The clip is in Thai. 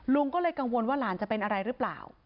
ลุงก็เลยกังวลว่าหลานจะเป็นอะไรหรือเปล่า